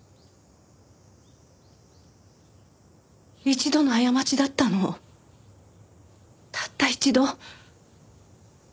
一度の過ちだったのたった一度。